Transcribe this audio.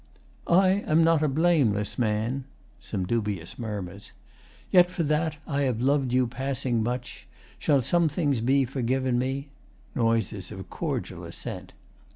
] I am not a blameless man, [Some dubious murmurs.] Yet for that I have lov'd you passing much, Shall some things be forgiven me. [Noises of cordial assent.